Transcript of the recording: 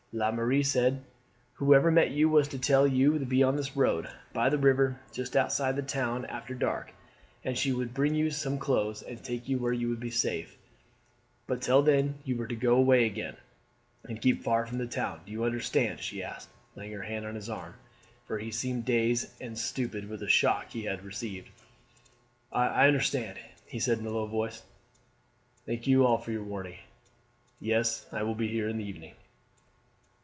La Mere said, whoever met you was to tell you to be on this road, by the river, just outside the town, after dark, and she would bring you some clothes, and take you where you would be safe; but till then you were to go away again, and keep far from the town. Do you understand?" she asked, laying her hand on his arm, for he seemed dazed and stupid with the shock he had received. "I understand," he said in a low voice. "Thank you all for your warning. Yes, I will be here this evening."